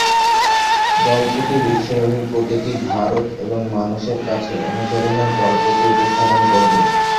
গল্পটি বিশ্বব্যাপী প্রতিটি ভারত এবং মানুষের কাছে অনুপ্রেরণার গল্পটি উপস্থাপন করবে।